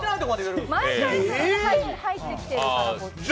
毎回入ってきてるから、こっちに。